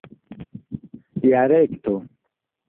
dialekto